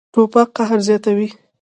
توپک قهر زیاتوي.